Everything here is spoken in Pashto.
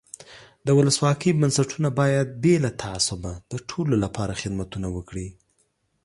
د ولسواکۍ بنسټونه باید بې له تعصبه د ټولو له پاره خدمتونه وکړي.